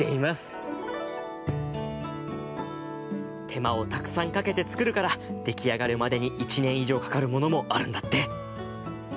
てまをたくさんかけてつくるからできあがるまでに１ねんいじょうかかるものもあるんだって。